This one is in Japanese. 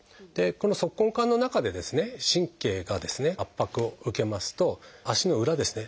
この足根管の中で神経がですね圧迫を受けますと足の裏ですね